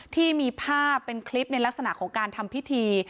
ที่มีภาพเป็นคลิปในลักษณะของการทำพิธี